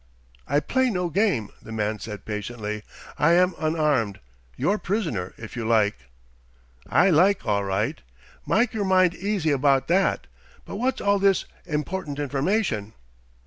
"I play no game," the man said patiently. "I am unarmed your prisoner, if you like." "I like, all right. Mike yer mind easy abaht that. But wot's all this 'important information'?"